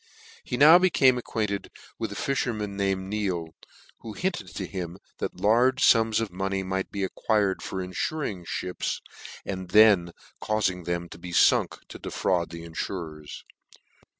He now became acquainted with a fifherman named Neale, who hinted to him that large fums of money might be acquired for infuring mips, and then caufing them to be funk, to defraud the infurers.